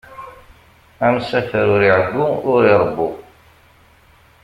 Amsafer ur iɛeggu, ur iṛebbu.